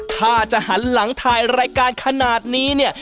ถ้าจะหันหลังถ่ายรายการขนาดนี้เนี่ย